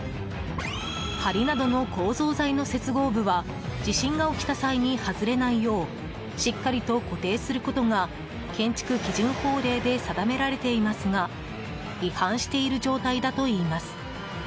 梁などの構造材の接合部は地震が起きた際に外れないようしっかりと固定することが建築基準法令で定められていますが違反している状態だといいます。